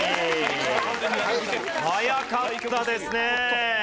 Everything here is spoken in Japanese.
早かったですねえ。